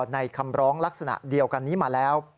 ในคำร้องลักษณะเดียวกันนี้มาแล้ว